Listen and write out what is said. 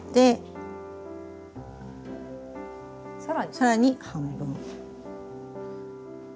更に半分。